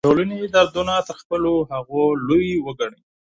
د ټولني دردونه تر خپلو هغو لوی وګڼئ.